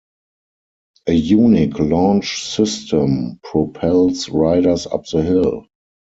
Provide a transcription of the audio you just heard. A unique launch system propels riders up the hill.